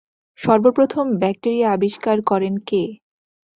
সর্বপ্রথম ব্যাকটেরিয়া আবিষ্কার করেন কে?